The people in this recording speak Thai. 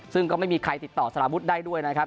ซึ่งก็ไม่มีใครติดต่อสารวุฒิได้ด้วยนะครับ